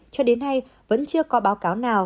cho đến nay vẫn chưa có báo cáo nào